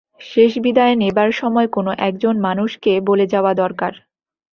শেষ বিদায় নেবার সময় কোনো-একজন মানুষকে বলে যাওয়া দরকার।